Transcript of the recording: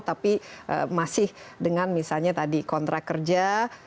tapi masih dengan misalnya tadi kontrak kerja